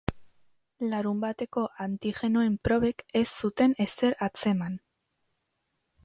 Larunbateko antigenoen probek ez zuten ezer atzeman.